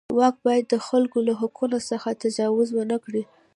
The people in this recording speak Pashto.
واک باید د خلکو له حقونو څخه تجاوز ونه کړي.